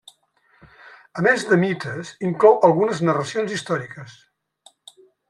A més de mites inclou algunes narracions històriques.